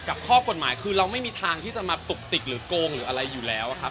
ข้อกฎหมายคือเราไม่มีทางที่จะมาตุกติกหรือโกงหรืออะไรอยู่แล้วครับ